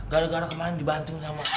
gara gara kemarin dibanting sama